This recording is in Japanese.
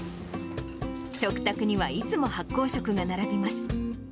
食卓にはいつも発酵食が並びます。